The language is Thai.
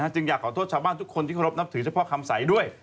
จึงอยากขอโทษชาวบ้านทุกคนที่เคารพนับถือเฉพาะคำใสด้วย